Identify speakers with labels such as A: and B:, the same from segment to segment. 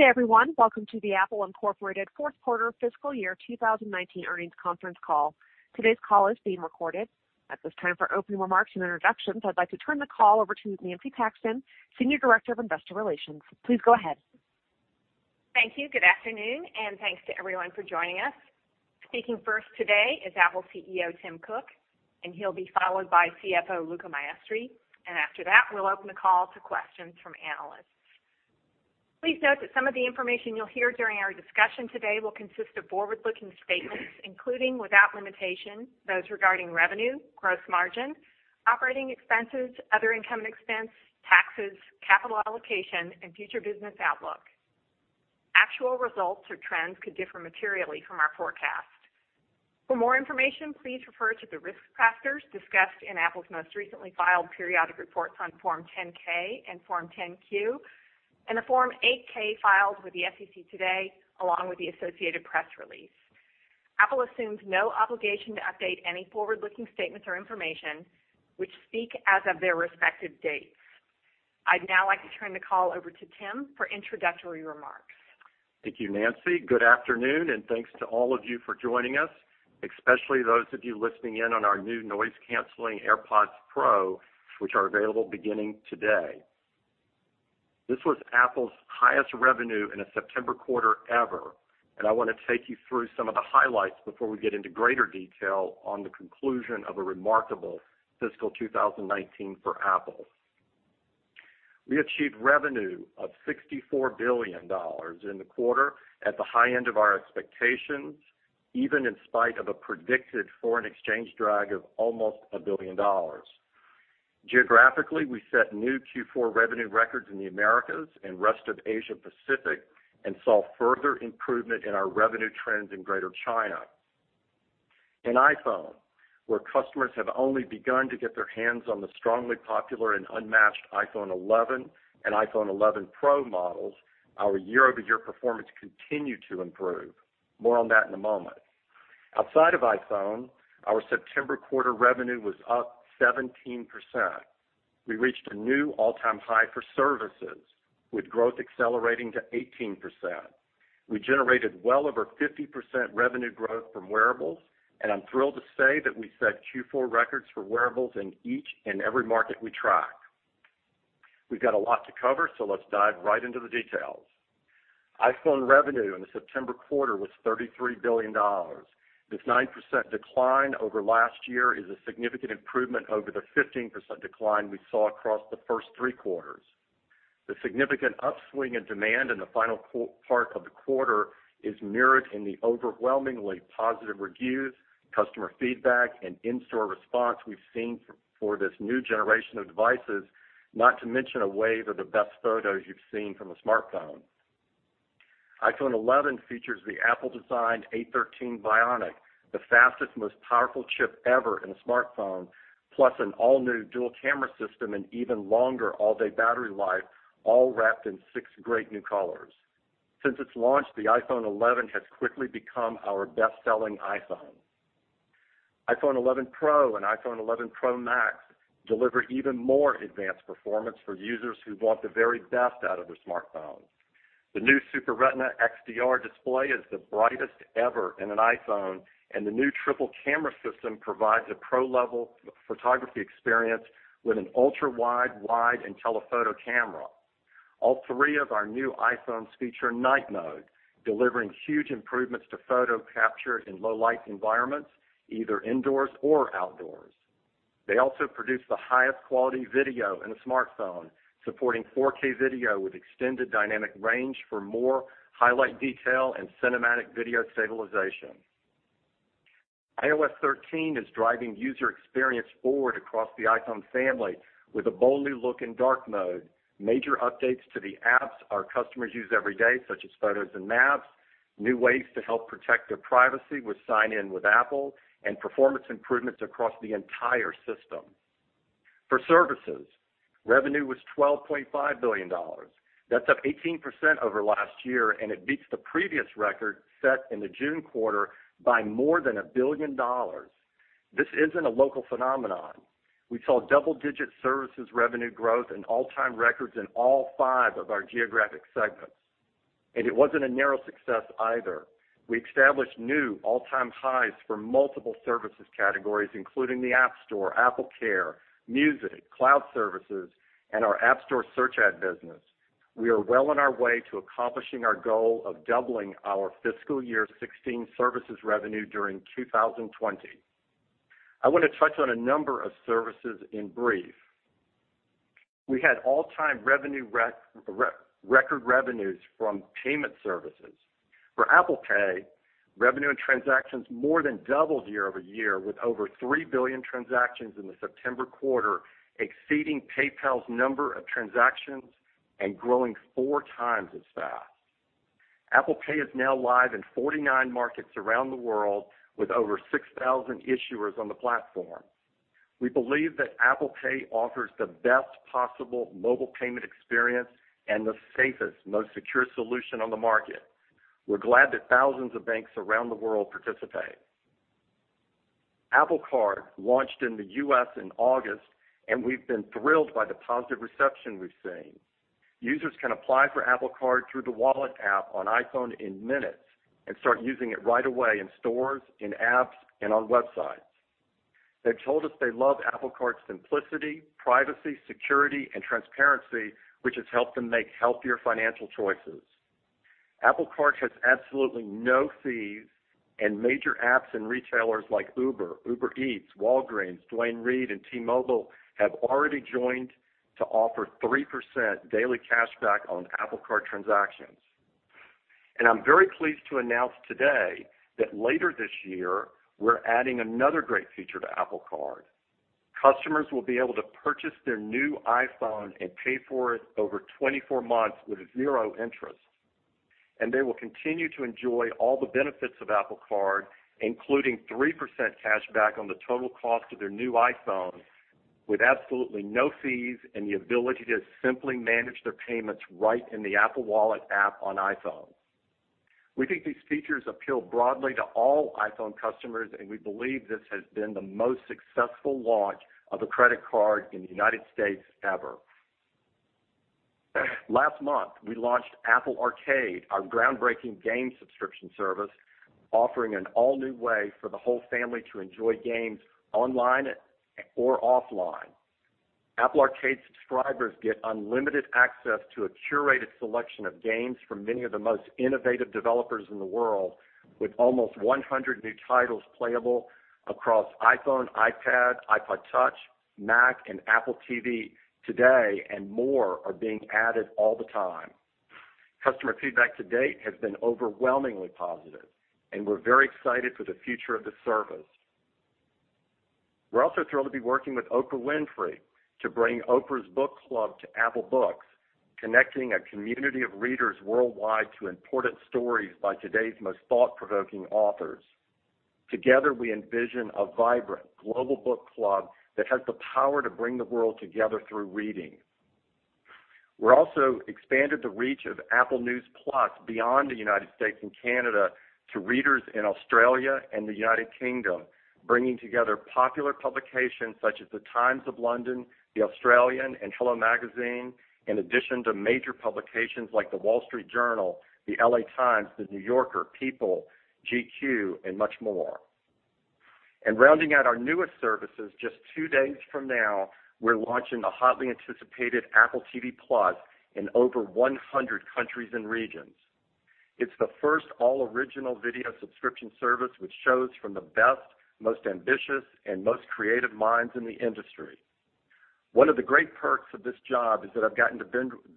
A: Good day, everyone. Welcome to the Apple Inc. fourth quarter fiscal year 2019 earnings conference call. Today's call is being recorded. At this time, for opening remarks and introductions, I'd like to turn the call over to Nancy Paxton, Senior Director of Investor Relations. Please go ahead.
B: Thank you. Good afternoon, and thanks to everyone for joining us. Speaking first today is Apple CEO, Tim Cook, and he'll be followed by CFO, Luca Maestri. After that, we'll open the call to questions from analysts. Please note that some of the information you'll hear during our discussion today will consist of forward-looking statements, including without limitation, those regarding revenue, gross margin, operating expenses, other income expense, taxes, capital allocation, and future business outlook. Actual results or trends could differ materially from our forecast. For more information, please refer to the risk factors discussed in Apple's most recently filed periodic reports on Form 10-K and Form 10-Q, and the Form 8-K filed with the SEC today, along with the associated press release. Apple assumes no obligation to update any forward-looking statements or information which speak as of their respective dates. I'd now like to turn the call over to Tim for introductory remarks.
C: Thank you, Nancy. Good afternoon. Thanks to all of you for joining us, especially those of you listening in on our new noise-canceling AirPods Pro, which are available beginning today. This was Apple's highest revenue in a September quarter ever. I wanna take you through some of the highlights before we get into greater detail on the conclusion of a remarkable fiscal 2019 for Apple. We achieved revenue of $64 billion in the quarter at the high end of our expectations, even in spite of a predicted foreign exchange drag of almost $1 billion. Geographically, we set new Q4 revenue records in the Americas and rest of Asia Pacific and saw further improvement in our revenue trends in Greater China. In iPhone, where customers have only begun to get their hands on the strongly popular and unmatched iPhone 11 and iPhone 11 Pro models, our year-over-year performance continued to improve. More on that in a moment. Outside of iPhone, our September quarter revenue was up 17%. We reached a new all-time high for services with growth accelerating to 18%. We generated well over 50% revenue growth from wearables, and I'm thrilled to say that we set Q4 records for wearables in each and every market we track. We've got a lot to cover, let's dive right into the details. iPhone revenue in the September quarter was $33 billion. This 9% decline over last year is a significant improvement over the 15% decline we saw across the first three quarters. The significant upswing in demand in the final part of the quarter is mirrored in the overwhelmingly positive reviews, customer feedback, and in-store response we've seen for this new generation of devices, not to mention a wave of the best photos you've seen from a smartphone. iPhone 11 features the Apple-designed A13 Bionic, the fastest, most powerful chip ever in a smartphone, plus an all-new dual camera system and even longer all-day battery life, all wrapped in six great new colors. Since its launch, the iPhone 11 has quickly become our best-selling iPhone. iPhone 11 Pro and iPhone 11 Pro Max deliver even more advanced performance for users who want the very best out of their smartphone. The new Super Retina XDR display is the brightest ever in an iPhone, and the new triple-camera system provides a pro-level photography experience with an ultra-wide, wide, and telephoto camera. All three of our new iPhones feature Night mode, delivering huge improvements to photo capture in low light environments, either indoors or outdoors. They also produce the highest quality video in a smartphone supporting 4K video with extended dynamic range for more highlight detail and cinematic video stabilization. iOS 13 is driving user experience forward across the iPhone family with a bold new look in Dark Mode, major updates to the apps our customers use every day, such as Photos and Maps, new ways to help protect their privacy with Sign in with Apple, and performance improvements across the entire system. For services, revenue was $12.5 billion. That's up 18% over last year, and it beats the previous record set in the June quarter by more than $1 billion. This isn't a local phenomenon. We saw double-digit services revenue growth and all-time records in all five of our geographic segments. It wasn't a narrow success either. We established new all-time highs for multiple services categories, including the App Store, AppleCare, music, cloud services, and our App Store search ad business. We are well on our way to accomplishing our goal of doubling our fiscal year 2016 services revenue during 2020. I want to touch on a number of services in brief. We had all-time record revenues from payment services. For Apple Pay, revenue and transactions more than doubled year-over-year with over 3 billion transactions in the September quarter, exceeding PayPal's number of transactions and growing four times as fast. Apple Pay is now live in 49 markets around the world with over 6,000 issuers on the platform. We believe that Apple Pay offers the best possible mobile payment experience and the safest, most secure solution on the market. We're glad that thousands of banks around the world participate. Apple Card launched in the U.S. in August, we've been thrilled by the positive reception we've seen. Users can apply for Apple Card through the Wallet app on iPhone in minutes and start using it right away in stores, in apps, and on websites. They've told us they love Apple Card's simplicity, privacy, security, and transparency, which has helped them make healthier financial choices. Apple Card has absolutely no fees, major apps and retailers like Uber Eats, Walgreens, Duane Reade, and T-Mobile have already joined to offer 3% daily cash back on Apple Card transactions. I'm very pleased to announce today that later this year, we're adding another great feature to Apple Card. Customers will be able to purchase their new iPhone and pay for it over 24 months with zero interest. They will continue to enjoy all the benefits of Apple Card, including 3% cash back on the total cost of their new iPhone with absolutely no fees and the ability to simply manage their payments right in the Apple Wallet app on iPhone. We think these features appeal broadly to all iPhone customers, and we believe this has been the most successful launch of a credit card in the U.S. ever. Last month, we launched Apple Arcade, our groundbreaking game subscription service, offering an all-new way for the whole family to enjoy games online or offline. Apple Arcade subscribers get unlimited access to a curated selection of games from many of the most innovative developers in the world, with almost 100 new titles playable across iPhone, iPad, iPod touch, Mac, and Apple TV today, and more are being added all the time. Customer feedback to date has been overwhelmingly positive, and we're very excited for the future of the service. We're also thrilled to be working with Oprah Winfrey to bring Oprah's Book Club to Apple Books, connecting a community of readers worldwide to important stories by today's most thought-provoking authors. Together, we envision a vibrant global book club that has the power to bring the world together through reading. We also expanded the reach of Apple News+ beyond the U.S. and Canada to readers in Australia and the U.K., bringing together popular publications such as The Times of London, The Australian, and HELLO! Magazine, in addition to major publications like The Wall Street Journal, the L.A. Times, The New Yorker, People, GQ, and much more. Rounding out our newest services, just two days from now, we're launching the hotly anticipated Apple TV+ in over 100 countries and regions. It's the first all-original video subscription service with shows from the best, most ambitious, and most creative minds in the industry. One of the great perks of this job is that I've gotten to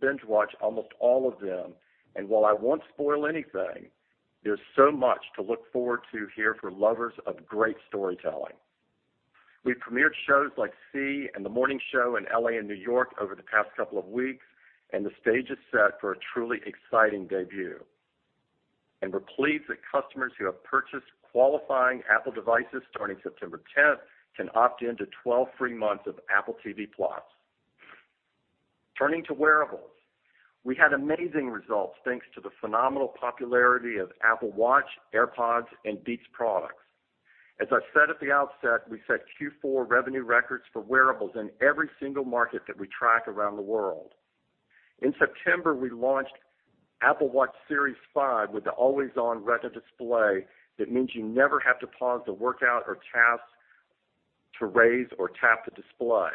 C: binge-watch almost all of them, and while I won't spoil anything, there's so much to look forward to here for lovers of great storytelling. We premiered shows like See and The Morning Show in L.A. and New York over the past couple of weeks. The stage is set for a truly exciting debut. We're pleased that customers who have purchased qualifying Apple devices starting September 10th can opt in to 12 free months of Apple TV+. Turning to wearables. We had amazing results thanks to the phenomenal popularity of Apple Watch, AirPods, and Beats products. As I said at the outset, we set Q4 revenue records for wearables in every single market that we track around the world. In September, we launched Apple Watch Series 5 with the always-on Retina display that means you never have to pause the workout or task to raise or tap the display.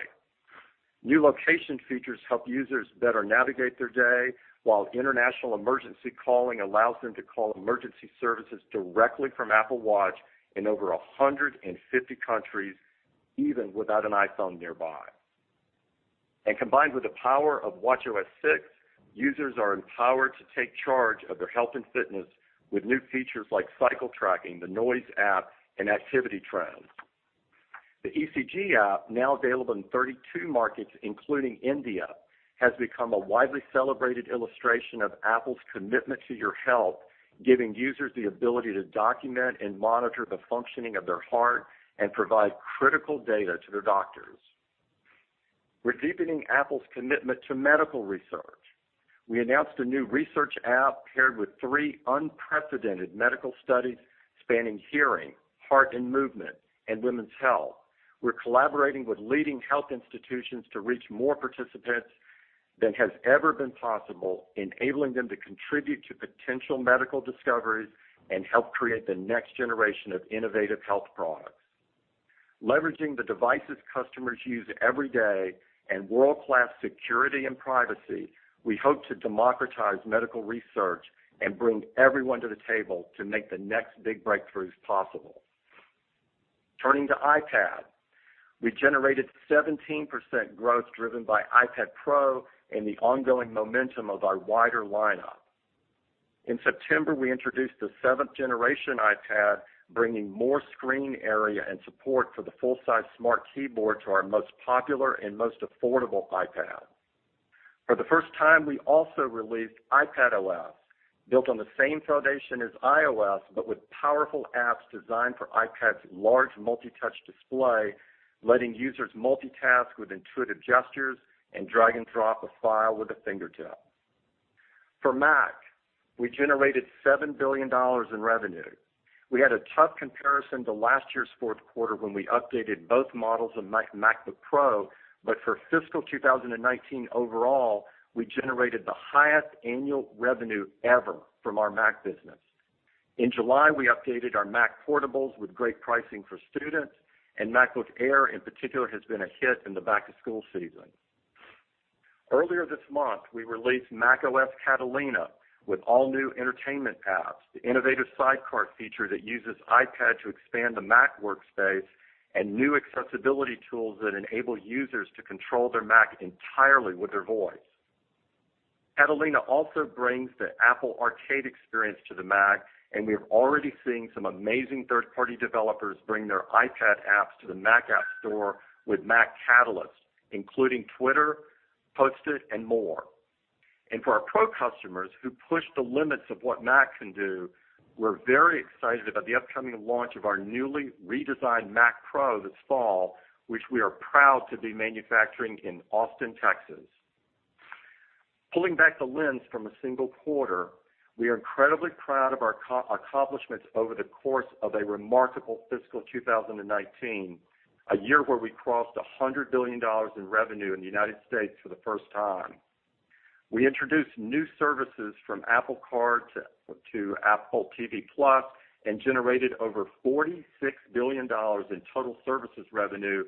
C: New location features help users better navigate their day, while international emergency calling allows them to call emergency services directly from Apple Watch in over 150 countries, even without an iPhone nearby. Combined with the power of watchOS 6, users are empowered to take charge of their health and fitness with new features like cycle tracking, the Noise app, and Activity Trends. The ECG app, now available in 32 markets, including India, has become a widely celebrated illustration of Apple's commitment to your health, giving users the ability to document and monitor the functioning of their heart and provide critical data to their doctors. We're deepening Apple's commitment to medical research. We announced a new Research app paired with three unprecedented medical studies spanning hearing, heart and movement, and women's health. We're collaborating with leading health institutions to reach more participants than has ever been possible, enabling them to contribute to potential medical discoveries and help create the next generation of innovative health products. Leveraging the devices customers use every day and world-class security and privacy, we hope to democratize medical research and bring everyone to the table to make the next big breakthroughs possible. Turning to iPad. We generated 17% growth driven by iPad Pro and the ongoing momentum of our wider lineup. In September, we introduced the seventh-generation iPad, bringing more screen area and support for the full-size Smart Keyboard to our most popular and most affordable iPad. For the first time, we also released iPadOS, built on the same foundation as iOS, but with powerful apps designed for iPad's large Multi-Touch display, letting users multitask with intuitive gestures and drag and drop a file with a fingertip. For Mac, we generated $7 billion in revenue. We had a tough comparison to last year's fourth quarter when we updated both models of MacBook Pro, but for fiscal 2019 overall, we generated the highest annual revenue ever from our Mac business. In July, we updated our Mac portables with great pricing for students. MacBook Air, in particular, has been a hit in the back-to-school season. Earlier this month, we released macOS Catalina with all-new entertainment apps, the innovative Sidecar feature that uses iPad to expand the Mac workspace, and new accessibility tools that enable users to control their Mac entirely with their voice. Catalina also brings the Apple Arcade experience to the Mac, and we're already seeing some amazing third-party developers bring their iPad apps to the Mac App Store with Mac Catalyst, including Twitter, Post-it, and more. For our pro customers who push the limits of what Mac can do, we're very excited about the upcoming launch of our newly redesigned Mac Pro this fall, which we are proud to be manufacturing in Austin, Texas. Pulling back the lens from a single quarter, we are incredibly proud of our accomplishments over the course of a remarkable fiscal 2019, a year where we crossed $100 billion in revenue in the United States for the first time. We introduced new services from Apple Card to Apple TV+ and generated over $46 billion in total services revenue,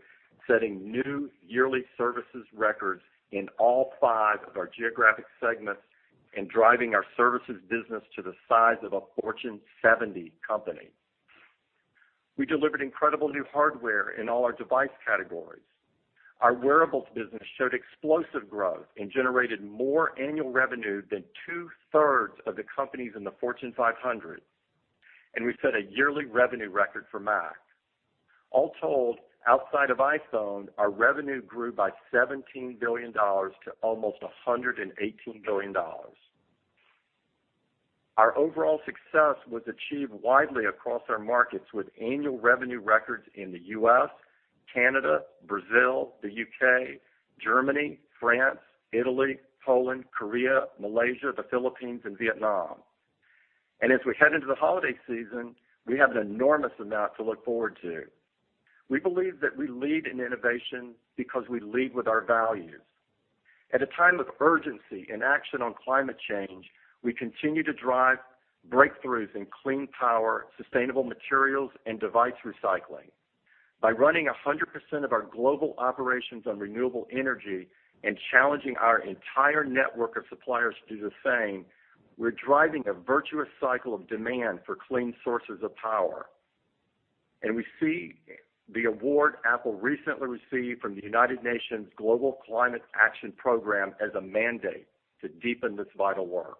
C: setting new yearly services records in all five of our geographic segments and driving our services business to the size of a Fortune 70 company. We delivered incredible new hardware in all our device categories. Our wearables business showed explosive growth and generated more annual revenue than two-thirds of the companies in the Fortune 500, and we set a yearly revenue record for Mac. All told, outside of iPhone, our revenue grew by $17 billion to almost $118 billion. Our overall success was achieved widely across our markets, with annual revenue records in the U.S., Canada, Brazil, the U.K., Germany, France, Italy, Poland, Korea, Malaysia, the Philippines, and Vietnam. As we head into the holiday season, we have an enormous amount to look forward to. We believe that we lead in innovation because we lead with our values. At a time of urgency and action on climate change, we continue to drive breakthroughs in clean power, sustainable materials, and device recycling. By running 100% of our global operations on renewable energy and challenging our entire network of suppliers to do the same, we're driving a virtuous cycle of demand for clean sources of power. We see the award Apple recently received from the United Nations Global Climate Action Program as a mandate to deepen this vital work.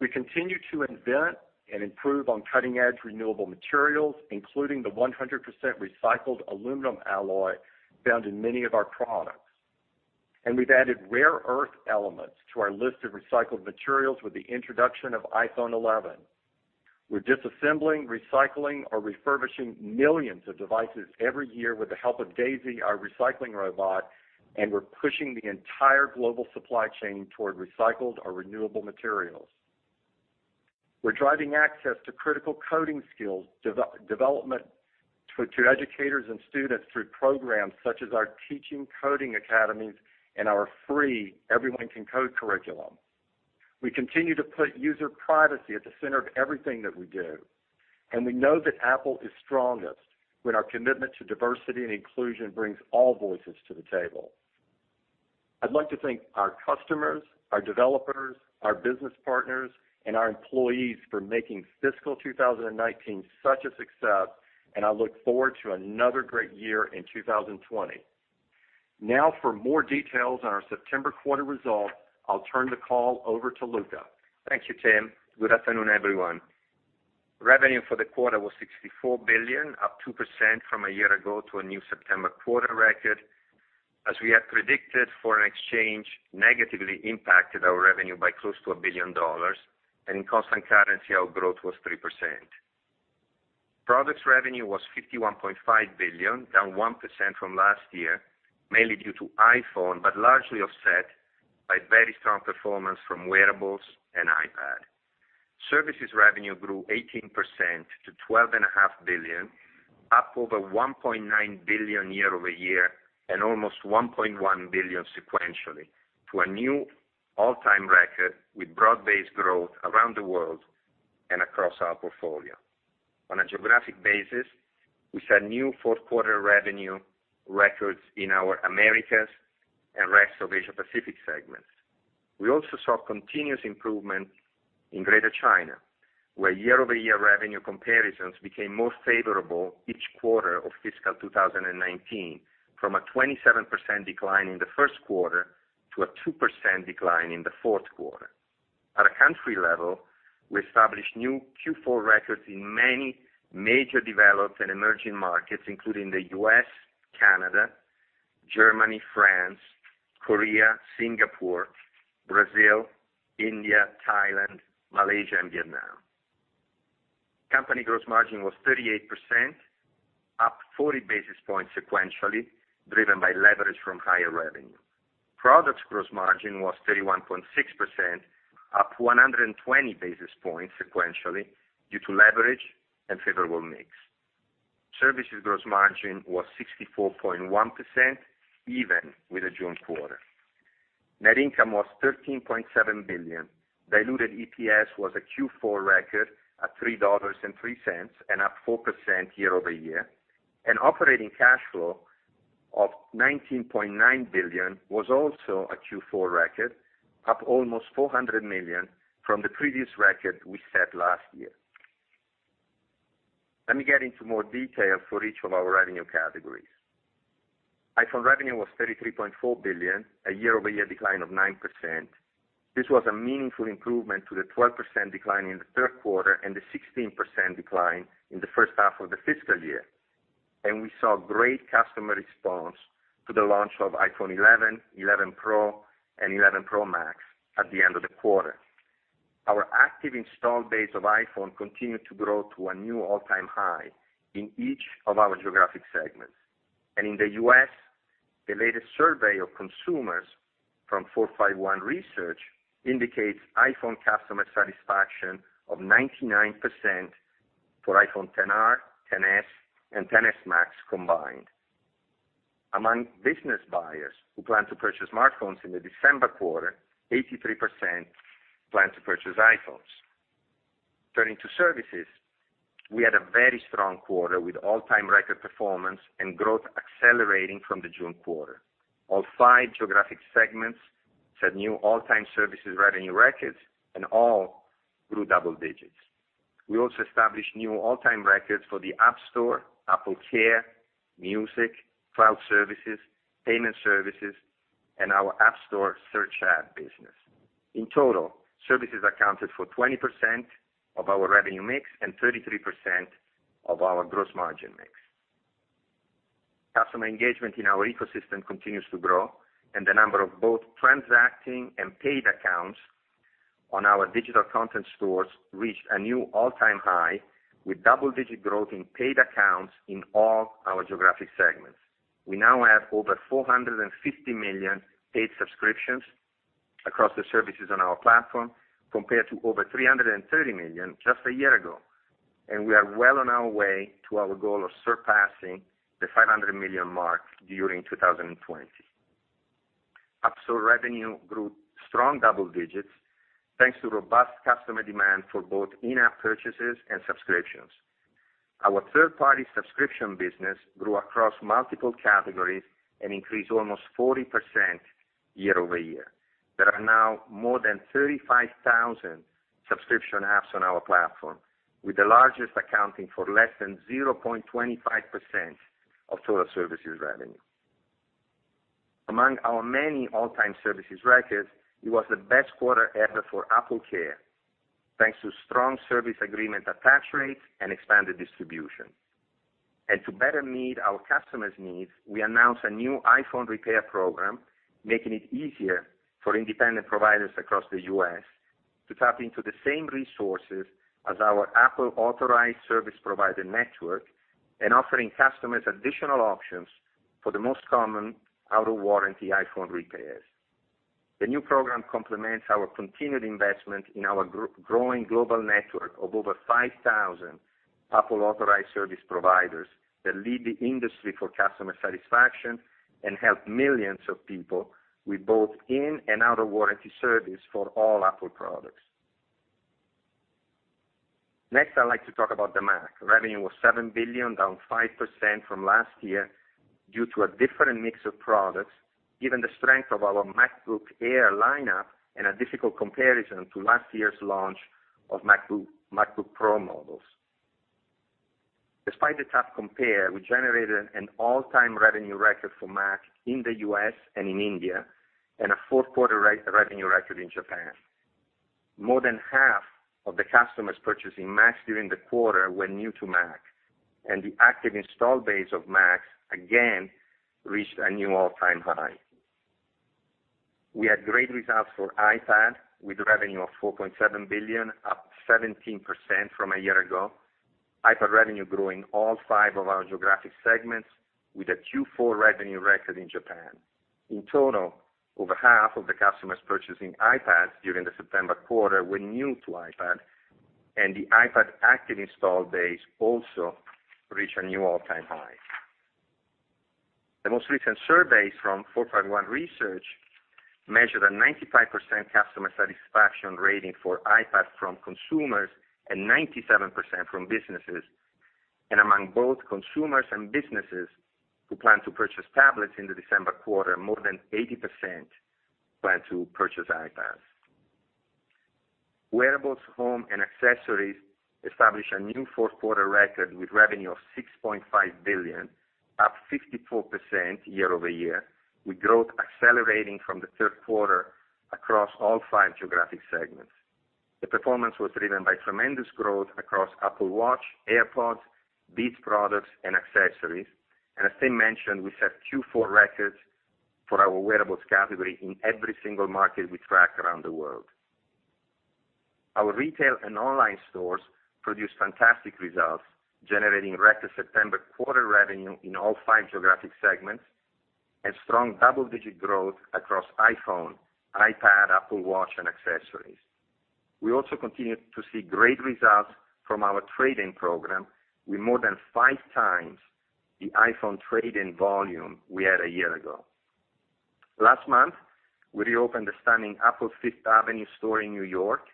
C: We continue to invent and improve on cutting-edge renewable materials, including the 100% recycled aluminum alloy found in many of our products. We've added rare earth elements to our list of recycled materials with the introduction of iPhone 11. We're disassembling, recycling or refurbishing millions of devices every year with the help of Daisy, our recycling robot, and we're pushing the entire global supply chain toward recycled or renewable materials. We're driving access to critical coding skills development to educators and students through programs such as our Teacher Coding Academies and our free Everyone Can Code curriculum. We continue to put user privacy at the center of everything that we do, and we know that Apple is strongest when our commitment to diversity and inclusion brings all voices to the table. I'd like to thank our customers, our developers, our business partners, and our employees for making fiscal 2019 such a success, and I look forward to another great year in 2020. Now for more details on our September quarter results, I'll turn the call over to Luca.
D: Thank you, Tim. Good afternoon, everyone. Revenue for the quarter was $64 billion, up 2% from a year ago to a new September quarter record. As we had predicted, foreign exchange negatively impacted our revenue by close to $1 billion, and in constant currency, our growth was 3%. Products revenue was $51.5 billion, down 1% from last year, mainly due to iPhone, but largely offset by very strong performance from wearables and iPad. Services revenue grew 18% to $12.5 billion, up over $1.9 billion year-over-year and almost $1.1 billion sequentially to a new all-time record with broad-based growth around the world and across our portfolio. On a geographic basis, we set new fourth quarter revenue records in our Americas and rest of Asia Pacific segments. We also saw continuous improvement in Greater China, where year-over-year revenue comparisons became more favorable each quarter of fiscal 2019, from a 27% decline in the first quarter to a 2% decline in the fourth quarter. At a country level, we established new Q4 records in many major developed and emerging markets, including the U.S., Canada, Germany, France, Korea, Singapore, Brazil, India, Thailand, Malaysia, and Vietnam. Company gross margin was 38%, up 40 basis points sequentially, driven by leverage from higher revenue. Products gross margin was 31.6%, up 120 basis points sequentially due to leverage and favorable mix. Services gross margin was 64.1%, even with the June quarter. Net income was $13.7 billion. Diluted EPS was a Q4 record at $3.03, and up 4% year-over-year. Operating cash flow of $19.9 billion was also a Q4 record, up almost $400 million from the previous record we set last year. Let me get into more detail for each of our revenue categories. iPhone revenue was $33.4 billion, a year-over-year decline of 9%. This was a meaningful improvement to the 12% decline in the third quarter and the 16% decline in the first half of the fiscal year. We saw great customer response to the launch of iPhone 11 Pro, and 11 Pro Max at the end of the quarter. Our active install base of iPhone continued to grow to a new all-time high in each of our geographic segments. In the U.S., the latest survey of consumers from 451 Research indicates iPhone customer satisfaction of 99% for iPhone XR, XS, and XS Max combined. Among business buyers who plan to purchase smartphones in the December quarter, 83% plan to purchase iPhones. Turning to services, we had a very strong quarter with all-time record performance and growth accelerating from the June quarter. All five geographic segments set new all-time services revenue records and all grew double digits. We also established new all-time records for the App Store, AppleCare, Apple Music, cloud services, payment services, and our App Store search ad business. In total, services accounted for 20% of our revenue mix and 33% of our gross margin mix. Customer engagement in our ecosystem continues to grow, the number of both transacting and paid accounts on our digital content stores reached a new all-time high, with double-digit growth in paid accounts in all our geographic segments. We now have over 450 million paid subscriptions across the services on our platform, compared to over 330 million just a year ago. We are well on our way to our goal of surpassing the 500 million mark during 2020. App Store revenue grew strong double digits thanks to robust customer demand for both in-app purchases and subscriptions. Our third-party subscription business grew across multiple categories and increased almost 40% year-over-year. There are now more than 35,000 subscription apps on our platform, with the largest accounting for less than 0.25% of total services revenue. Among our many all-time services records, it was the best quarter ever for AppleCare, thanks to strong service agreement attach rates and expanded distribution. To better meet our customers' needs, we announced a new iPhone repair program, making it easier for independent providers across the U.S. to tap into the same resources as our Apple-authorized service provider network and offering customers additional options for the most common out-of-warranty iPhone repairs. The new program complements our continued investment in our growing global network of over 5,000 Apple-authorized service providers that lead the industry for customer satisfaction and help millions of people with both in and out-of-warranty service for all Apple products. Next, I'd like to talk about the Mac. Revenue was $7 billion, down 5% from last year due to a different mix of products, given the strength of our MacBook Air lineup and a difficult comparison to last year's launch of MacBook Pro models. Despite the tough compare, we generated an all-time revenue record for Mac in the U.S. and in India, and a fourth quarter revenue record in Japan. More than half of the customers purchasing Macs during the quarter were new to Mac. The active install base of Macs, again, reached a new all-time high. We had great results for iPad, with revenue of $4.7 billion, up 17% from a year ago. iPad revenue growing all five of our geographic segments with a Q4 revenue record in Japan. In total, over half of the customers purchasing iPads during the September quarter were new to iPad, and the iPad active install base also reached a new all-time high. The most recent surveys from 451 Research measured a 95% customer satisfaction rating for iPad from consumers and 97% from businesses. Among both consumers and businesses who plan to purchase tablets in the December quarter, more than 80% plan to purchase iPads. Wearables, home, and accessories established a new fourth-quarter record with revenue of $6.5 billion, up 54% year-over-year, with growth accelerating from the third quarter across all five geographic segments. The performance was driven by tremendous growth across Apple Watch, AirPods, Beats products, and accessories. As Tim mentioned, we set Q4 records for our wearables category in every single market we track around the world. Our retail and online stores produce fantastic results, generating record September quarter revenue in all five geographic segments and strong double-digit growth across iPhone, iPad, Apple Watch, and accessories. We also continue to see great results from our trade-in program, with more than five times the iPhone trade-in volume we had a year ago. Last month, we reopened the stunning Apple Fifth Avenue store in New York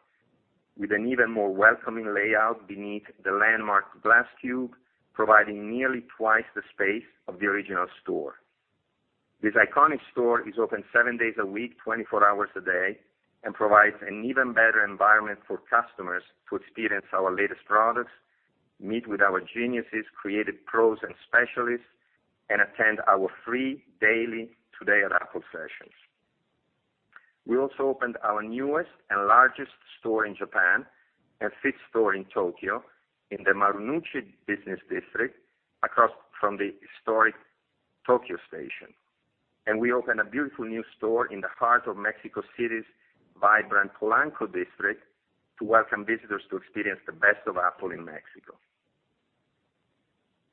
D: with an even more welcoming layout beneath the landmark glass cube, providing nearly twice the space of the original store. This iconic store is open seven days a week, 24 hours a day, provides an even better environment for customers to experience our latest products, meet with our geniuses, creative pros and specialists, and attend our free daily Today at Apple sessions. We also opened our newest and largest store in Japan and fifth store in Tokyo in the Marunouchi business district across from the historic Tokyo Station. We opened a beautiful new store in the heart of Mexico City's vibrant Polanco district to welcome visitors to experience the best of Apple in Mexico.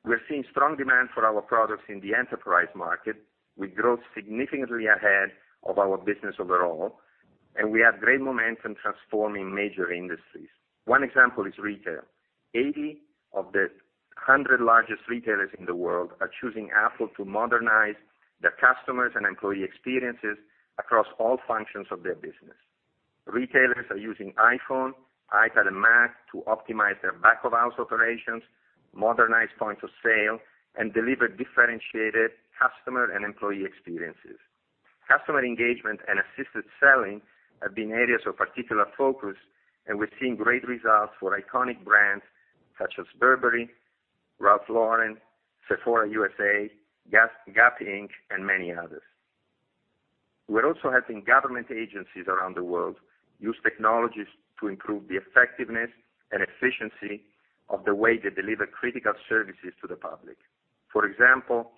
D: We're seeing strong demand for our products in the enterprise market, with growth significantly ahead of our business overall, and we have great momentum transforming major industries. One example is retail. 80 of the 100 largest retailers in the world are choosing Apple to modernize their customers' and employee experiences across all functions of their business. Retailers are using iPhone, iPad, and Mac to optimize their back-of-house operations, modernize point of sale, and deliver differentiated customer and employee experiences. Customer engagement and assisted selling have been areas of particular focus, and we're seeing great results for iconic brands such as Burberry, Ralph Lauren, Sephora USA, Gap Inc., and many others. We're also helping government agencies around the world use technologies to improve the effectiveness and efficiency of the way they deliver critical services to the public. For example,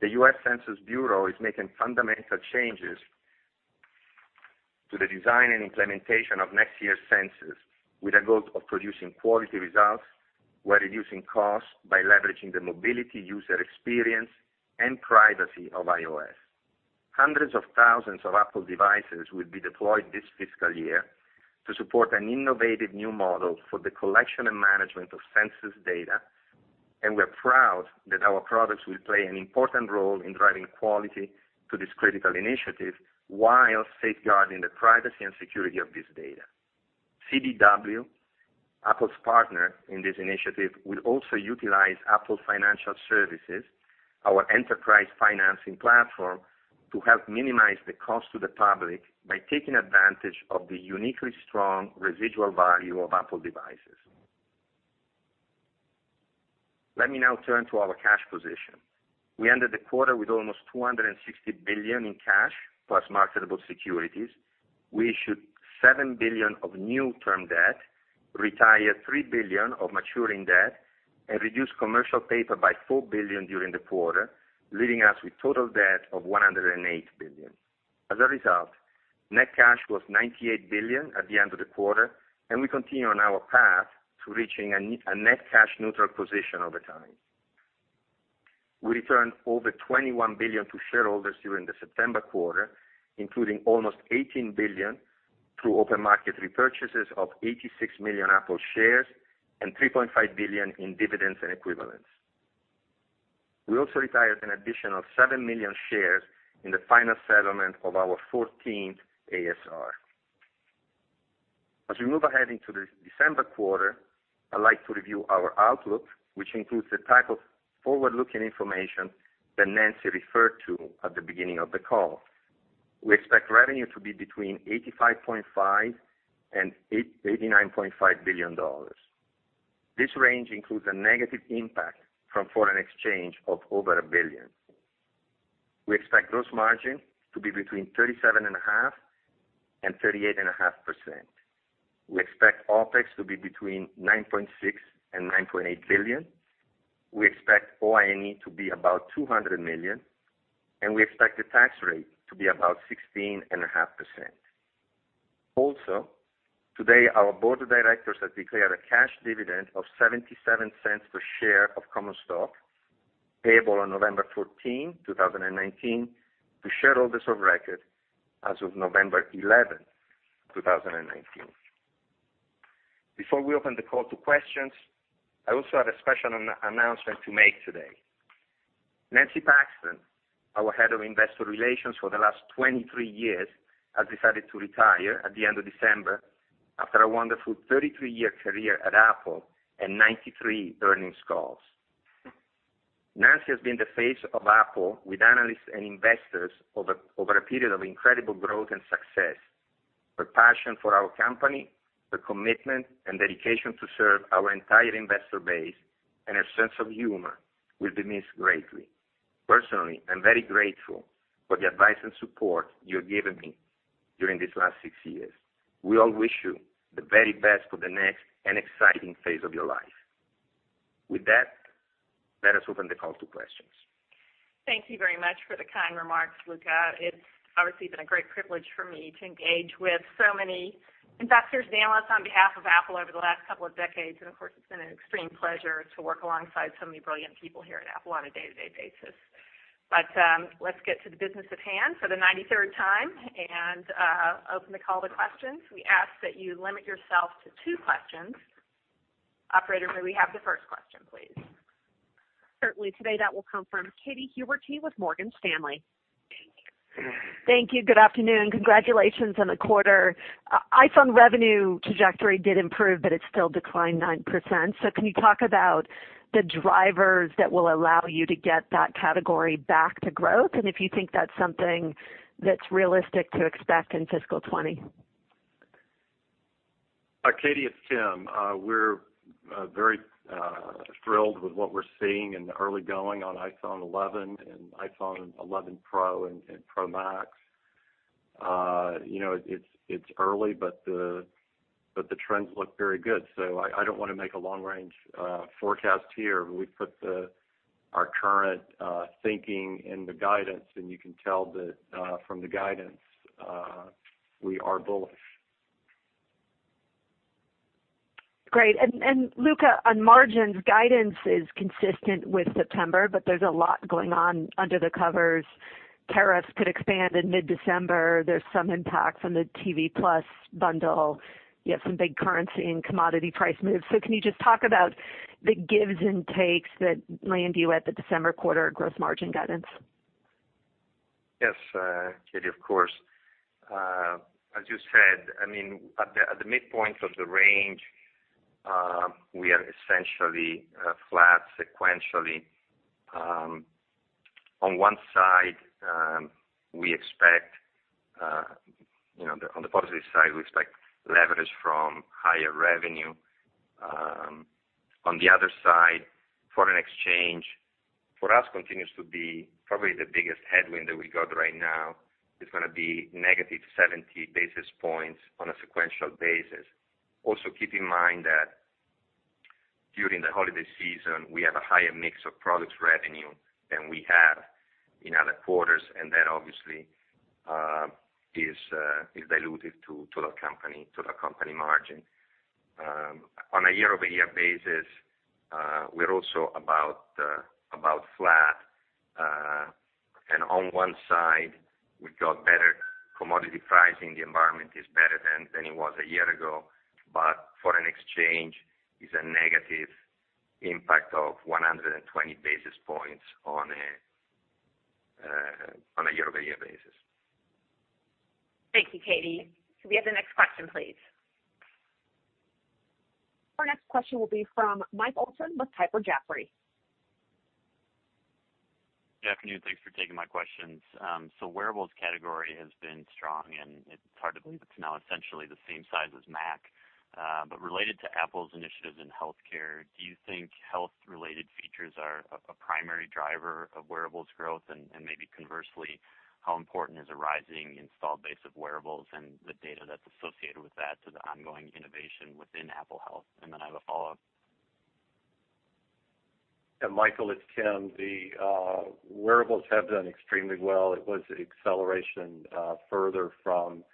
D: the U.S. Census Bureau is making fundamental changes to the design and implementation of next year's census with a goal of producing quality results while reducing costs by leveraging the mobility, user experience, and privacy of iOS. Hundreds of thousands of Apple devices will be deployed this fiscal year to support an innovative new model for the collection and management of census data, and we're proud that our products will play an important role in driving quality to this critical initiative while safeguarding the privacy and security of this data. CDW, Apple's partner in this initiative, will also utilize Apple Financial Services, our enterprise financing platform, to help minimize the cost to the public by taking advantage of the uniquely strong residual value of Apple devices. Let me now turn to our cash position. We ended the quarter with almost $260 billion in cash plus marketable securities. We issued $7 billion of new term debt, retired $3 billion of maturing debt, and reduced commercial paper by $4 billion during the quarter, leaving us with total debt of $108 billion. As a result, net cash was $98 billion at the end of the quarter, and we continue on our path to reaching a net-cash neutral position over time. We returned over $21 billion to shareholders during the September quarter, including almost $18 billion through open market repurchases of 86 million Apple shares and $3.5 billion in dividends and equivalents. We also retired an additional 7 million shares in the final settlement of our 14th ASR. As we move ahead into the December quarter, I'd like to review our outlook, which includes the type of forward-looking information that Nancy Paxton referred to at the beginning of the call. We expect revenue to be between $85.5 billion-$89.5 billion. This range includes a negative impact from foreign exchange of over $1 billion. We expect gross margin to be between 37.5%-38.5%. We expect OpEx to be between $9.6 billion-$9.8 billion. We expect OIE to be about $200 million, and we expect the tax rate to be about 16.5%. Also, today, our board of directors has declared a cash dividend of $0.77 per share of common stock payable on November 14, 2019 to shareholders of record as of November 11, 2019. Before we open the call to questions, I also have a special announcement to make today. Nancy Paxton, our Head of Investor Relations for the last 23 years, has decided to retire at the end of December after a wonderful 33-year career at Apple and 93 earnings calls. Nancy has been the face of Apple with analysts and investors over a period of incredible growth and success. Her passion for our company, her commitment and dedication to serve our entire investor base, and her sense of humor will be missed greatly. Personally, I'm very grateful for the advice and support you have given me during these last six years. We all wish you the very best for the next and exciting phase of your life. With that, let us open the call to questions.
B: Thank you very much for the kind remarks, Luca. It's obviously been a great privilege for me to engage with so many investors and analysts on behalf of Apple over the last couple of decades, and of course, it's been an extreme pleasure to work alongside so many brilliant people here at Apple on a day-to-day basis. Let's get to the business at hand for the 93rd time and open the call to questions. We ask that you limit yourself to two questions. Operator, may we have the first question, please?
A: Certainly. Today, that will come from Katy Huberty with Morgan Stanley.
E: Thank you. Good afternoon. Congratulations on the quarter. iPhone revenue trajectory did improve. It still declined 9%. Can you talk about the drivers that will allow you to get that category back to growth, and if you think that's something that's realistic to expect in fiscal 2020?
C: Katy, it's Tim. We're very thrilled with what we're seeing in the early going on iPhone 11 and iPhone 11 Pro and Pro Max. you know, it's early, but the trends look very good. I don't wanna make a long range forecast here, but we put our current thinking in the guidance, and you can tell that from the guidance, we are bullish.
E: Great. Luca, on margins, guidance is consistent with September, but there's a lot going on under the covers. Tariffs could expand in mid-December. There's some impact from the Apple TV+ bundle. You have some big currency and commodity price moves. Can you just talk about the gives and takes that land you at the December quarter gross margin guidance?
D: Yes, Katy, of course. As you said, I mean, at the midpoint of the range, we are essentially flat sequentially. On one side, we expect, you know, on the positive side, we expect leverage from higher revenue. On the other side, foreign exchange for us continues to be probably the biggest headwind that we got right now. It's gonna be negative 70 basis points on a sequential basis. Also, keep in mind that during the holiday season, we have a higher mix of products revenue than we have in other quarters, and that obviously is dilutive to the company margin. On a year-over-year basis, we're also about flat. On one side, we've got better commodity pricing. The environment is better than it was a year ago, but foreign exchange is a negative impact of 120 basis points on a year-over-year basis.
B: Thank you, Katy. Could we have the next question, please?
A: Our next question will be from Mike Olson with Piper Jaffray.
F: Good afternoon. Thanks for taking my questions. Wearables category has been strong, and it's hard to believe it's now essentially the same size as Mac. Related to Apple's initiatives in healthcare, do you think health-related features are a primary driver of wearables growth? Maybe conversely, how important is a rising installed base of wearables and the data that's associated with that to the ongoing innovation within Apple Health? I have a follow-up.
C: Yeah, Michael, it's Tim. The wearables have done extremely well. It was acceleration further from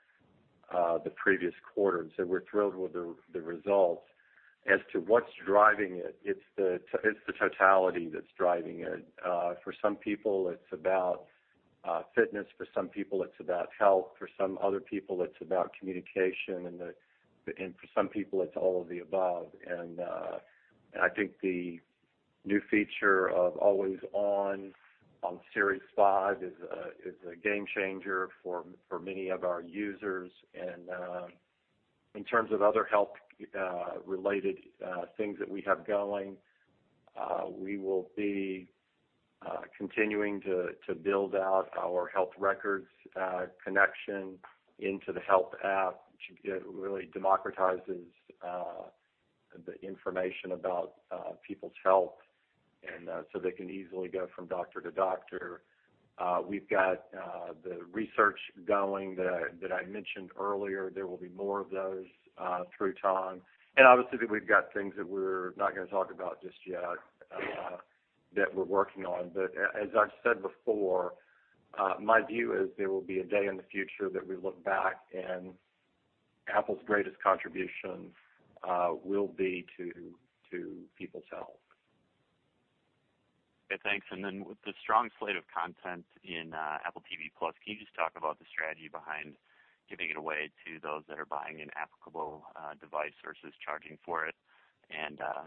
C: the previous quarter. We're thrilled with the results. As to what's driving it's the totality that's driving it. For some people, it's about fitness, for some people, it's about health, for some other people, it's about communication, and for some people, it's all of the above. I think the new feature of Always On on Series 5 is a game changer for many of our users. In terms of other health related things that we have going, we will be continuing to build out our health records connection into the Health app, which really democratizes the information about people's health so they can easily go from doctor to doctor. We've got the research going that I mentioned earlier. There will be more of those through time. Obviously, we've got things that we're not gonna talk about just yet that we're working on. As I've said before, my view is there will be a day in the future that we look back and Apple's greatest contribution will be to people's health.
F: Okay, thanks. Then with the strong slate of content in Apple TV+, can you just talk about the strategy behind giving it away to those that are buying an applicable device versus charging for it?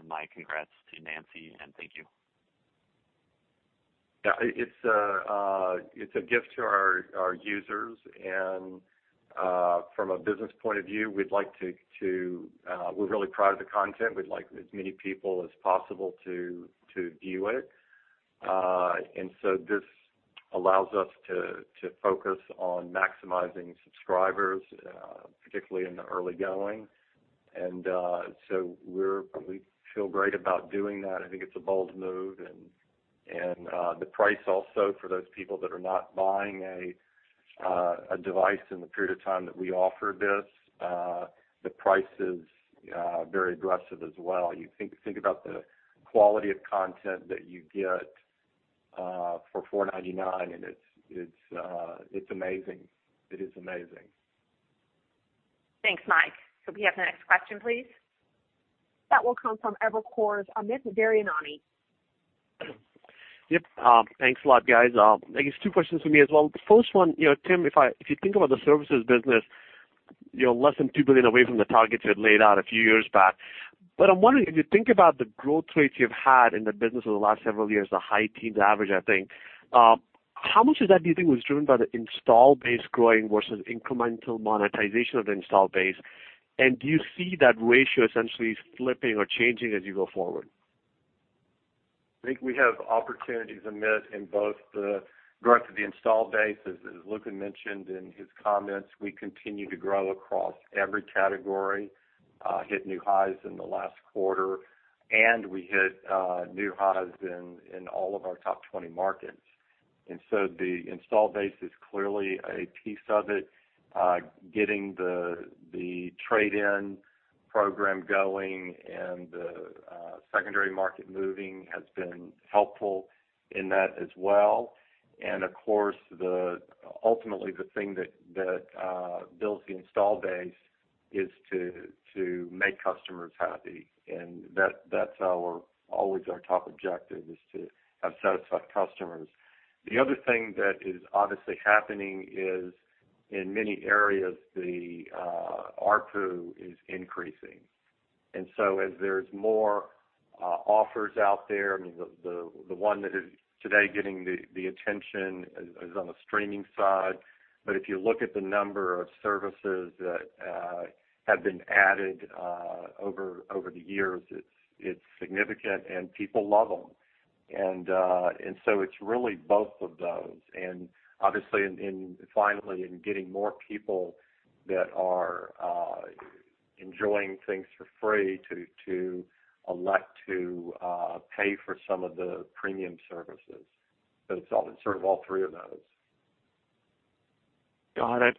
F: My congrats to Nancy, and thank you.
C: Yeah, it's a gift to our users. From a business point of view, we're really proud of the content. We'd like as many people as possible to view it. This allows us to focus on maximizing subscribers, particularly in the early going. We feel great about doing that. I think it's a bold move and the price also for those people that are not buying a device in the period of time that we offer this, the price is very aggressive as well. You think about the quality of content that you get for $4.99, and it's amazing. It is amazing.
B: Thanks, Mike. Could we have the next question, please?
A: That will come from Evercore's Amit Daryanani.
G: Yep. Thanks a lot, guys. I guess two questions for me as well. The first one, you know, Tim, if you think about the services business, you're less than $2 billion away from the targets you had laid out a few years back. I'm wondering, if you think about the growth rates you've had in the business over the last several years, the high teens average, I think, how much of that do you think was driven by the install base growing versus incremental monetization of the install base? Do you see that ratio essentially flipping or changing as you go forward?
C: I think we have opportunities, Amit, in both the growth of the install base, as Luca mentioned in his comments, we continue to grow across every category, hit new highs in the last quarter, and we hit new highs in all of our top 20 markets. The install base is clearly a piece of it. Getting the trade-in program going and the secondary market moving has been helpful in that as well. Of course, the ultimately the thing that builds the install base is to make customers happy. That's our, always our top objective, is to have satisfied customers. The other thing that is obviously happening is in many areas, the ARPU is increasing. As there's more offers out there, I mean, the one that is today getting the attention is on the streaming side. If you look at the number of services that have been added over the years, it's significant and people love them. It's really both of those. Obviously in finally getting more people that are enjoying things for free to elect to pay for some of the premium services. It's all, sort of all three of those.
G: Got it.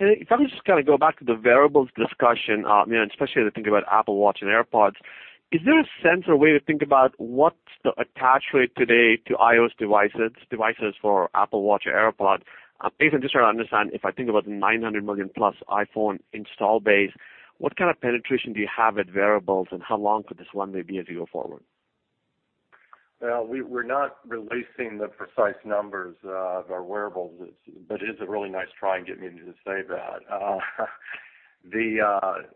G: If I could just kinda go back to the wearables discussion, especially I think about Apple Watch and AirPods. Is there a sense or way to think about what's the attach rate today to iOS devices for Apple Watch or AirPod? Basically just trying to understand if I think about the 900 million plus iPhone install base, what kind of penetration do you have at wearables, and how long could this run maybe as you go forward?
C: Well, we're not releasing the precise numbers of our wearables. It is a really nice try in getting me to say that. The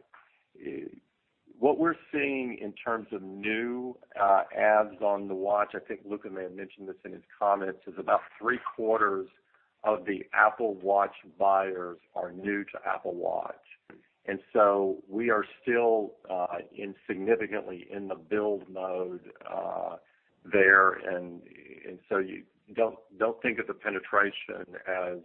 C: what we're seeing in terms of new adds on the Watch, I think Luca may have mentioned this in his comments, is about three-quarters of the Apple Watch buyers are new to Apple Watch. We are still in significantly in the build mode there. You don't think of the penetration as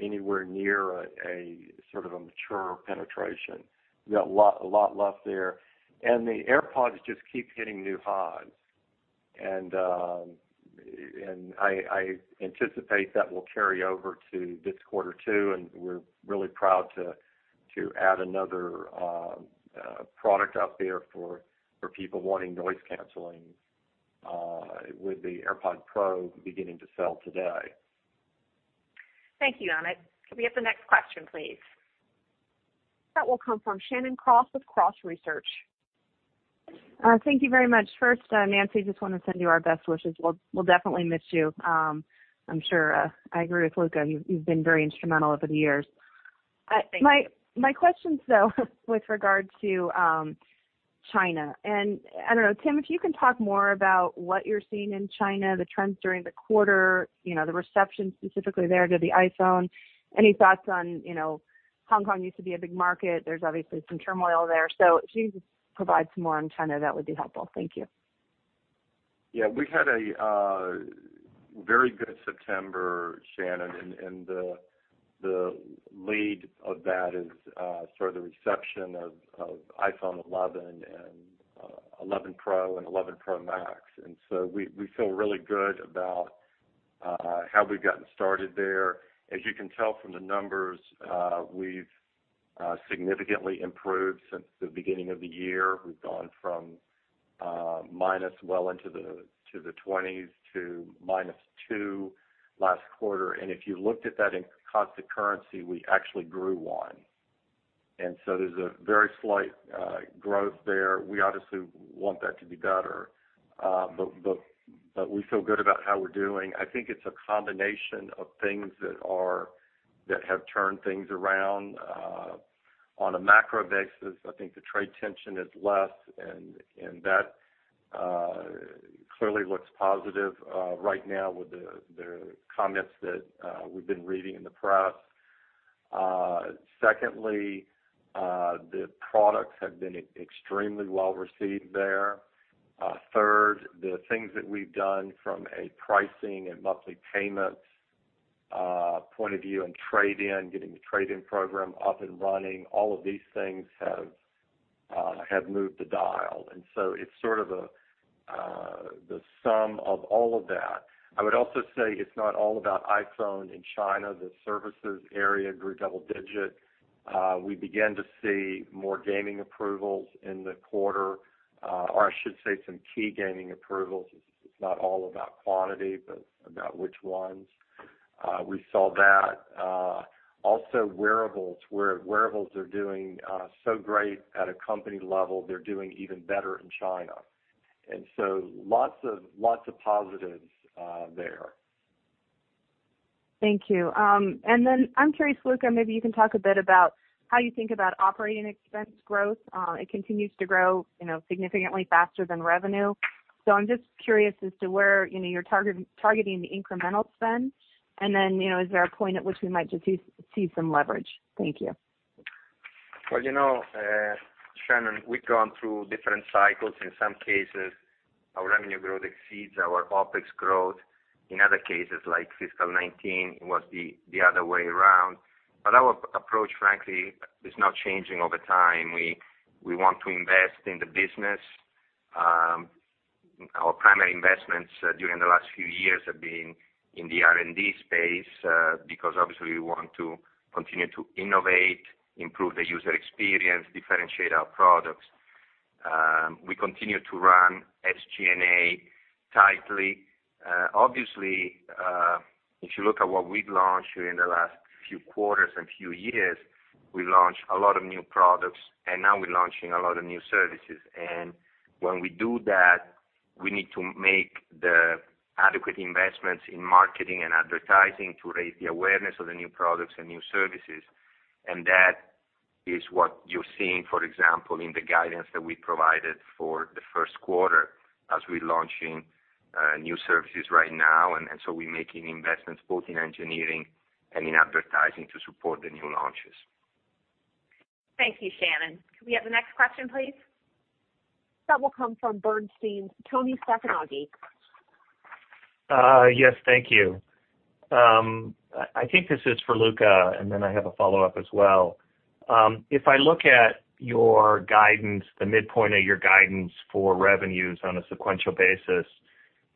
C: anywhere near a sort of a mature penetration. We got a lot left there. The AirPods just keep hitting new highs. I anticipate that will carry over to this quarter too, and we're really proud to add another product out there for people wanting noise canceling with the AirPods Pro beginning to sell today.
B: Thank you, Amit. Could we have the next question, please?
A: That will come from Shannon Cross with Cross Research.
H: Thank you very much. First, Nancy, just want to send you our best wishes. We'll definitely miss you. I'm sure, I agree with Luca, you've been very instrumental over the years.
B: Thank you.
H: My question's though with regard to China. I don't know, Tim, if you can talk more about what you're seeing in China, the trends during the quarter, you know, the reception specifically there to the iPhone. Any thoughts on, you know, Hong Kong used to be a big market, there's obviously some turmoil there. If you could just provide some more on China, that would be helpful. Thank you.
C: We had a very good September, Shannon, the lead of that is sort of the reception of iPhone 11 and 11 Pro and 11 Pro Max. We feel really good about how we've gotten started there. As you can tell from the numbers, we've significantly improved since the beginning of the year. We've gone from minus well into the 20s to -2% last quarter. If you looked at that in constant currency, we actually grew 1%. There's a very slight growth there. We obviously want that to be better. But we feel good about how we're doing. I think it's a combination of things that have turned things around. On a macro basis, I think the trade tension is less and that clearly looks positive right now with the comments that we've been reading in the press. Secondly, the products have been extremely well received there. Third, the things that we've done from a pricing and monthly payments point of view and trade-in, getting the trade-in program up and running, all of these things have moved the dial. It's sort of the sum of all of that. I would also say it's not all about iPhone in China. The services area grew double digit. We began to see more gaming approvals in the quarter, or I should say some key gaming approvals. It's not all about quantity, but about which ones. We saw that. Also wearables, where wearables are doing so great at a company level, they're doing even better in China. Lots of positives there.
H: Thank you. Then I'm curious, Luca, maybe you can talk a bit about how you think about operating expense growth. It continues to grow, you know, significantly faster than revenue. I'm just curious as to where, you know, you're targeting the incremental spend, then, you know, is there a point at which we might just see some leverage? Thank you.
D: Well, you know, Shannon, we've gone through different cycles. In some cases, our revenue growth exceeds our OpEx growth. In other cases, like fiscal 2019, it was the other way around. Our approach, frankly, is not changing over time. We want to invest in the business. Our primary investments, during the last few years have been in the R&D space, because obviously we want to continue to innovate, improve the user experience, differentiate our products. We continue to run SG&A tightly. Obviously, if you look at what we've launched during the last few quarters and few years, we launched a lot of new products, and now we're launching a lot of new services. When we do that, we need to make the adequate investments in marketing and advertising to raise the awareness of the new products and new services. That is what you're seeing, for example, in the guidance that we provided for the first quarter as we're launching new services right now. So we're making investments both in engineering and in advertising to support the new launches.
B: Thank you, Shannon. Could we have the next question, please?
A: That will come from Bernstein's Toni Sacconaghi.
I: Yes, thank you. I think this is for Luca, and then I have a follow-up as well. If I look at your guidance, the midpoint of your guidance for revenues on a sequential basis,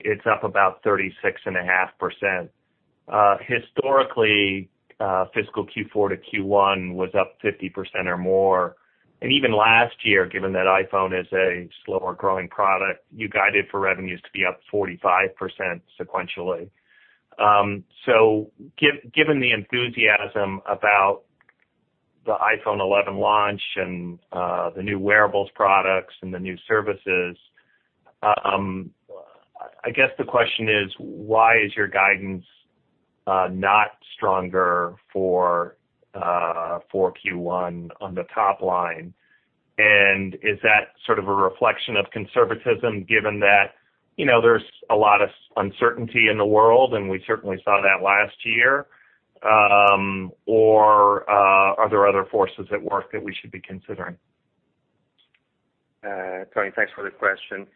I: it's up about 36.5%. Historically, fiscal Q4 to Q1 was up 50% or more. Even last year, given that iPhone is a slower growing product, you guided for revenues to be up 45% sequentially. Given the enthusiasm about the iPhone 11 launch and the new wearables products and the new services, I guess the question is, why is your guidance not stronger for Q1 on the top line? Is that sort of a reflection of conservatism given that, you know, there's a lot of uncertainty in the world, and we certainly saw that last year, or are there other forces at work that we should be considering?
D: Toni, thanks for the question.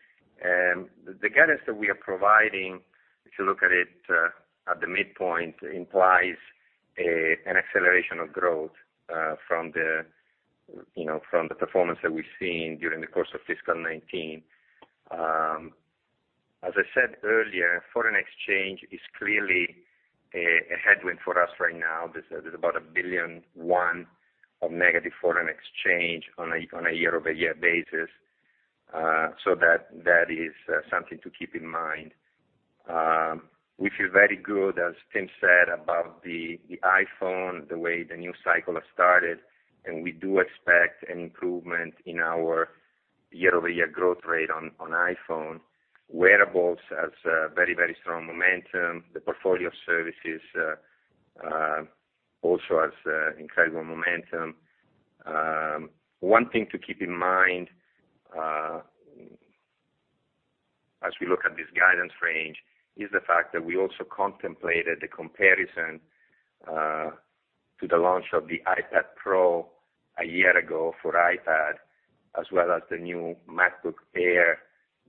D: The guidance that we are providing, if you look at it at the midpoint, implies an acceleration of growth from the, you know, from the performance that we've seen during the course of fiscal 2019. As I said earlier, foreign exchange is clearly a headwind for us right now. There's about a billion one of negative foreign exchange on a year-over-year basis. That is something to keep in mind. We feel very good, as Tim said, about the iPhone, the way the new cycle has started, and we do expect an improvement in our year-over-year growth rate on iPhone. Wearables has very strong momentum. The portfolio of Services also has incredible momentum. One thing to keep in mind, as we look at this guidance range is the fact that we also contemplated the comparison to the launch of the iPad Pro a year ago for iPad, as well as the new MacBook Air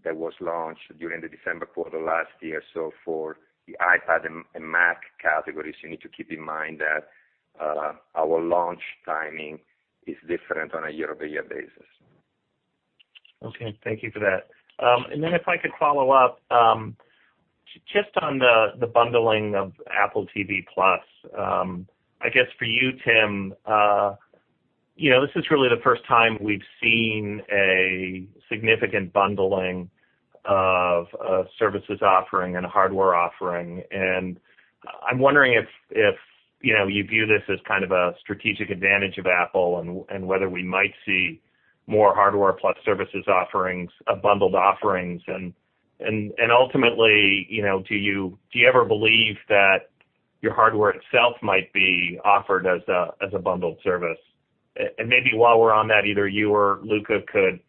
D: that was launched during the December quarter last year. For the iPad and Mac categories, you need to keep in mind that our launch timing is different on a year-over-year basis.
I: Okay. Thank you for that. Then if I could follow up, just on the bundling of Apple TV+. I guess for you, Tim, you know, this is really the first time we've seen a significant bundling of a services offering and a hardware offering. I'm wondering if, you know, you view this as kind of a strategic advantage of Apple and whether we might see more hardware plus services offerings, bundled offerings. Ultimately, you know, do you ever believe that your hardware itself might be offered as a, as a bundled service? Maybe while we're on that, either you or Luca could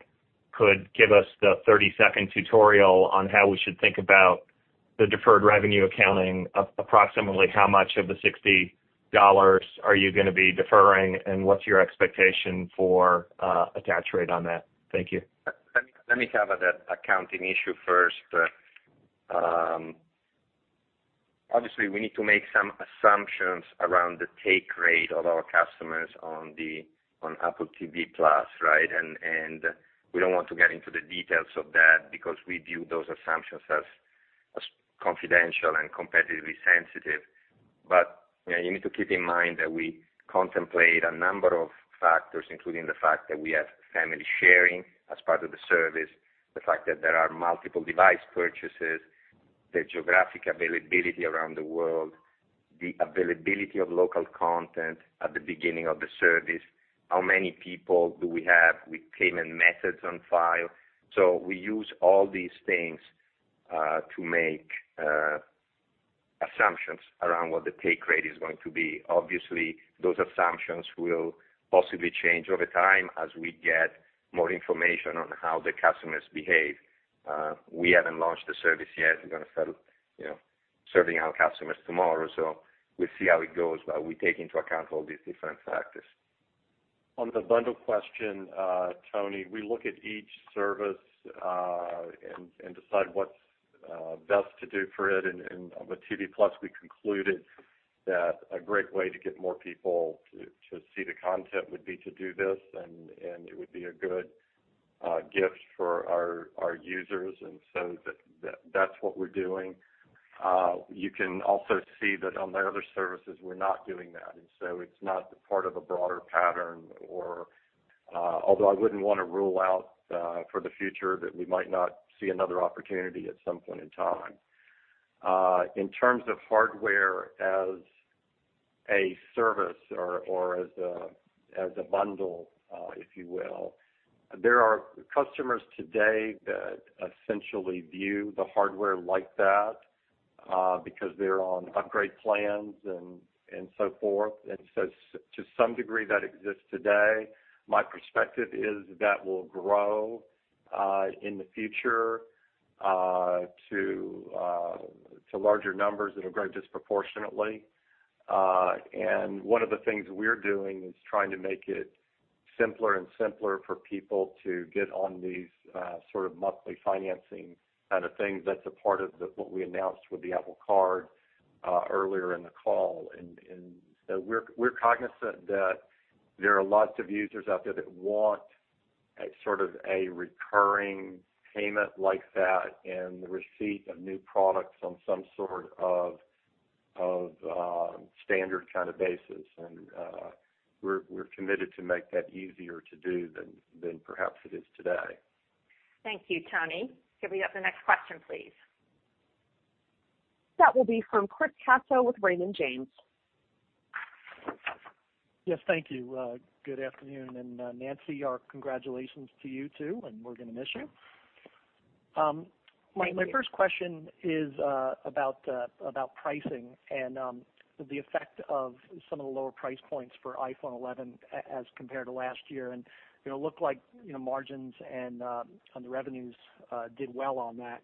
I: give us the 30-second tutorial on how we should think about the deferred revenue accounting, approximately how much of the $60 are you gonna be deferring, and what's your expectation for attach rate on that? Thank you.
D: Let me cover the accounting issue first. Obviously, we need to make some assumptions around the take rate of our customers on Apple TV+, right? We don't want to get into the details of that because we view those assumptions as confidential and competitively sensitive. You know, you need to keep in mind that we contemplate a number of factors, including the fact that we have family sharing as part of the service, the fact that there are multiple device purchases, the geographic availability around the world, the availability of local content at the beginning of the service, how many people do we have with payment methods on file. We use all these things to make assumptions around what the take rate is going to be. Those assumptions will possibly change over time as we get more information on how the customers behave. We haven't launched the service yet. We're gonna start, you know, serving our customers tomorrow, so we'll see how it goes, but we take into account all these different factors.
C: On the bundle question, Toni, we look at each service and decide what's best to do for it. With TV+, we concluded that a great way to get more people to see the content would be to do this, and it would be a good gift for our users. That's what we're doing. You can also see that on the other services, we're not doing that. It's not part of a broader pattern or, although I wouldn't wanna rule out for the future that we might not see another opportunity at some point in time. In terms of hardware as a service or as a bundle, if you will, there are customers today that essentially view the hardware like that because they're on upgrade plans and so forth. To some degree, that exists today. My perspective is that will grow in the future to larger numbers. It'll grow disproportionately. One of the things we're doing is trying to make it simpler and simpler for people to get on these sort of monthly financing kind of things. That's a part of the, what we announced with the Apple Card earlier in the call. We're cognizant that there are lots of users out there that want a sort of a recurring payment like that and the receipt of new products on some sort of standard kinda basis. We're committed to make that easier to do than perhaps it is today.
B: Thank you, Toni. Can we have the next question, please?
A: That will be from Chris Caso with Raymond James.
J: Yes, thank you. good afternoon. Nancy, our congratulations to you, too, and we're gonna miss you.
B: Thank you.
J: My first question is about pricing and the effect of some of the lower price points for iPhone 11 as compared to last year. You know, looked like, you know, margins and on the revenues did well on that,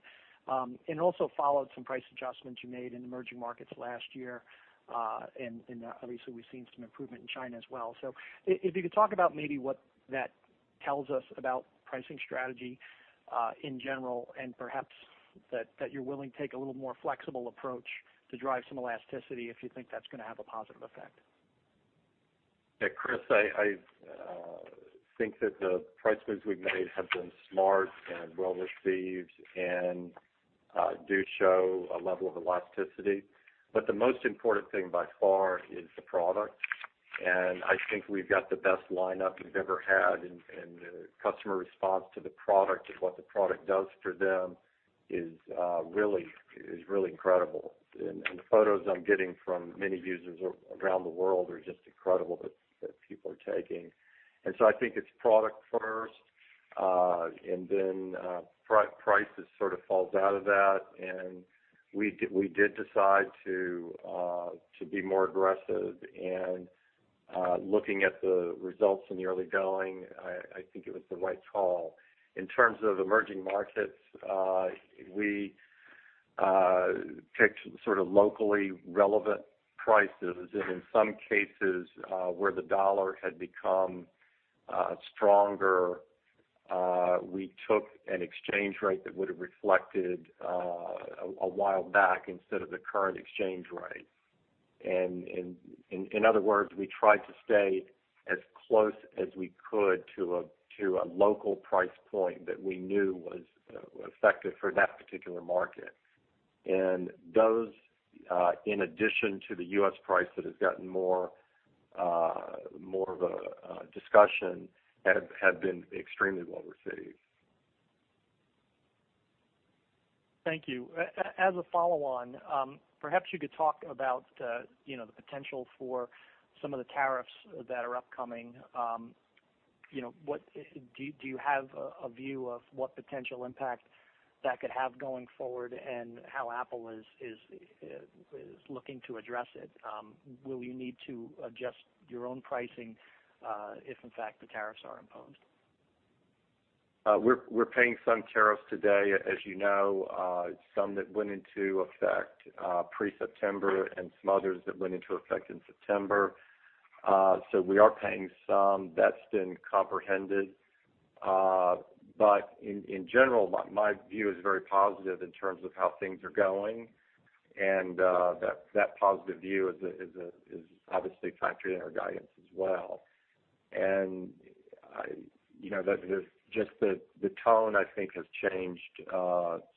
J: and also followed some price adjustments you made in emerging markets last year and at least we've seen some improvement in China as well. If you could talk about maybe what that tells us about pricing strategy in general, and perhaps that you're willing to take a little more flexible approach to drive some elasticity if you think that's gonna have a positive effect?
C: Yeah, Chris, I think that the price moves we've made have been smart and well received and do show a level of elasticity. The most important thing by far is the product, and I think we've got the best lineup we've ever had, and the customer response to the product and what the product does for them is really incredible. The photos I'm getting from many users around the world are just incredible that people are taking. I think it's product first, and then price just sort of falls out of that. We did decide to be more aggressive. Looking at the results in the early going, I think it was the right call. In terms of emerging markets, we picked sort of locally relevant prices. In some cases, where the dollar had become stronger, we took an exchange rate that would have reflected a while back instead of the current exchange rate. In other words, we tried to stay as close as we could to a local price point that we knew was effective for that particular market. Those in addition to the U.S. price that has gotten more of a discussion have been extremely well received.
J: Thank you. As a follow-on, perhaps you could talk about, you know, the potential for some of the tariffs that are upcoming. You know, what do you have a view of what potential impact that could have going forward and how Apple is looking to address it? Will you need to adjust your own pricing if in fact the tariffs are imposed?
C: We're paying some tariffs today. As you know, some that went into effect pre-September and some others that went into effect in September. We are paying some. That's been comprehended. In general, my view is very positive in terms of how things are going. That positive view is obviously factoring in our guidance as well. I, you know, that there's just the tone I think has changed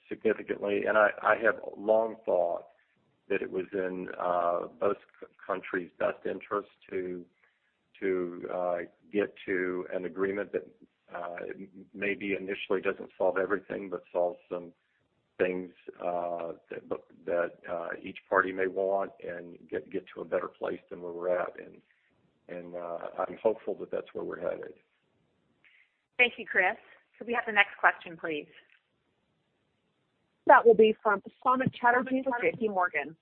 C: significantly. I have long thought that it was in both countries' best interest to get to an agreement that maybe initially doesn't solve everything, but solves some things that each party may want and get to a better place than where we're at. I'm hopeful that that's where we're headed.
B: Thank you, Chris. Could we have the next question, please?
A: That will be from Samik Chatterjee with JPMorgan.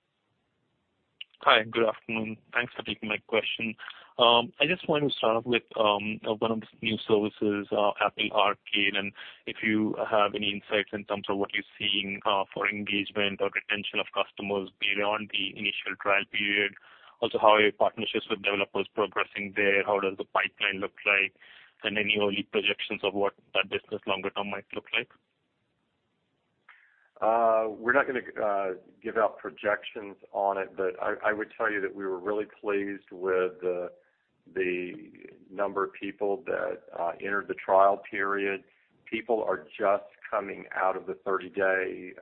K: Hi, good afternoon. Thanks for taking my question. I just want to start off with one of the new services, Apple Arcade, and if you have any insights in terms of what you're seeing for engagement or retention of customers beyond the initial trial period. Also, how are your partnerships with developers progressing there? How does the pipeline look like? Any early projections of what that business longer term might look like?
C: We're not gonna give out projections on it, but I would tell you that we were really pleased with the number of people that entered the trial period. People are just coming out of the 30-day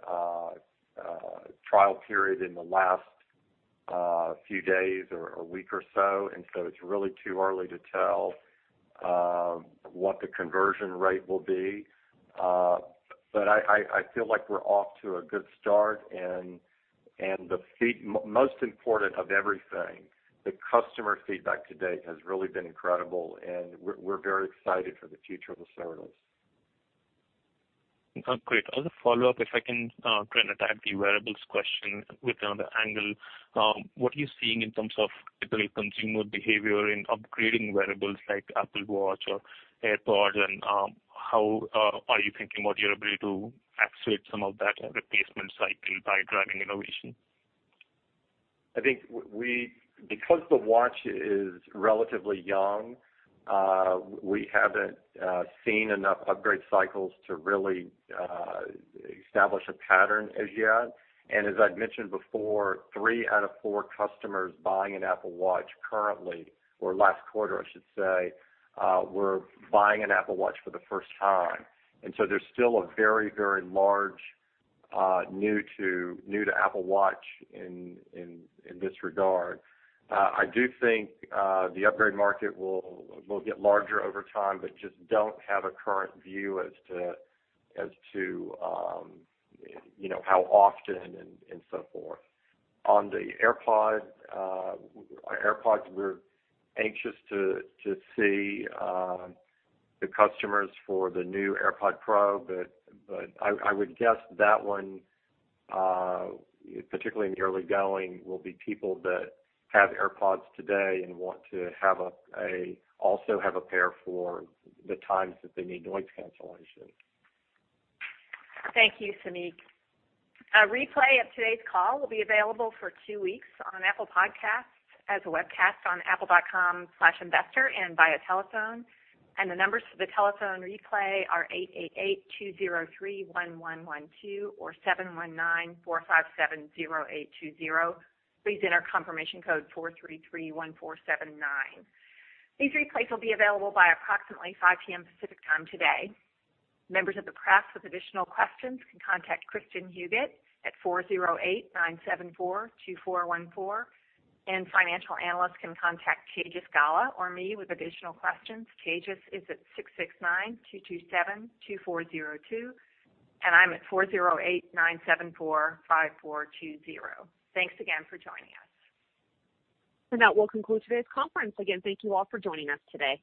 C: trial period in the last few days or week or so. It's really too early to tell what the conversion rate will be. I, I feel like we're off to a good start and, most important of everything, the customer feedback to date has really been incredible, and we're very excited for the future of the service.
K: Okay, great. As a follow-up, if I can, try and attack the wearables question with another angle. What are you seeing in terms of typical consumer behavior in upgrading wearables like Apple Watch or AirPods? How are you thinking about your ability to activate some of that replacement cycle by driving innovation?
C: I think we, because the Watch is relatively young, we haven't seen enough upgrade cycles to really establish a pattern as yet. As I'd mentioned before, three out of four customers buying an Apple Watch currently, or last quarter I should say, were buying an Apple Watch for the first time. There's still a very, very large new to Apple Watch in this regard. I do think the upgrade market will get larger over time, just don't have a current view as to, you know, how often and so forth. On the AirPods, we're anxious to see the customers for the new AirPods Pro, but I would guess that one, particularly in the early going, will be people that have AirPods today and want to also have a pair for the times that they need noise cancellation.
B: Thank you, Samik. A replay of today's call will be available for two weeks on Apple Podcasts as a webcast on apple.com/investor and via telephone. The numbers for the telephone replay are 888-203-1112 or 719-457-0820. Please enter confirmation code 4331479. These replays will be available by approximately 5:00 P.M. Pacific Time today. Members of the press with additional questions can contact Kristin Huguet at 408-974-2414, and financial analysts can contact Tejas Gala or me with additional questions. Tejas is at 669-227-2402, and I'm at 408-974-5420. Thanks again for joining us.
A: That will conclude today's conference. Again, thank you all for joining us today.